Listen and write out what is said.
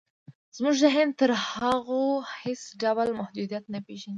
زموږ ذهن تر هغو هېڅ ډول محدودیت نه پېژني